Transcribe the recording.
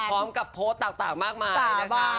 พร้อมกับโพสต์ต่างมากมายนะคะ